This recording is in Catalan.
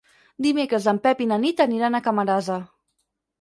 Dimecres en Pep i na Nit aniran a Camarasa.